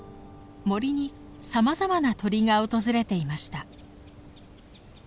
森にさまざまな鳥が訪れていました。